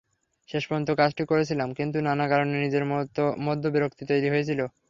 শেষ পর্যন্ত কাজটি করেছিলাম, কিন্তু নানা কারণে নিজের মধ্যে বিরক্তি তৈরি হয়েছিল।